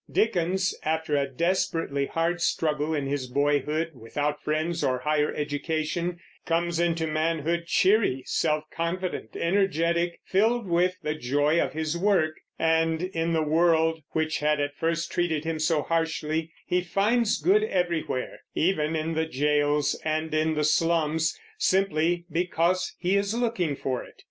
Dickens, after a desperately hard struggle in his boyhood, without friends or higher education, comes into manhood cheery, self confident, energetic, filled with the joy of his work; and in the world, which had at first treated him so harshly, he finds good everywhere, even in the jails and in the slums, simply because he is looking for it.